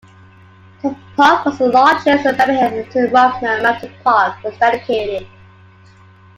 The park was the largest in Birmingham until Ruffner Mountain Park was dedicated.